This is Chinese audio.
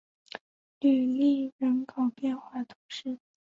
吕利人口变化图示